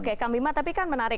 oke kang bima tapi kan menarik